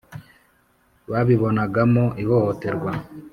babibonagamo ihohoterwa.